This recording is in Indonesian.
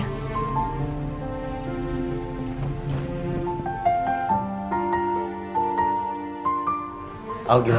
aku tunggu di luar ya